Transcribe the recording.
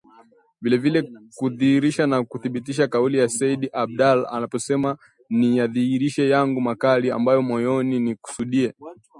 Vilevile, kudhihirisha na kuthibitisha kauli ya Sayyid Abdallah aliposema, Niyadhihirishe yangu makali, ambayo moyoni nikusudiye